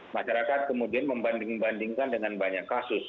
masyarakat kemudian membanding bandingkan dengan banyak kasus